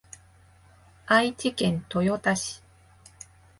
愛知県豊田市